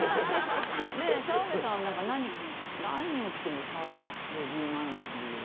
澤部さんなんか何を着ても澤部流になるよね。